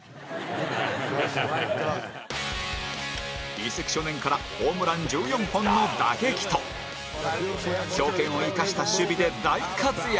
移籍初年からホームラン１４本の打撃と強肩を生かした守備で大活躍